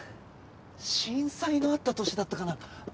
震災のあった年だったかな？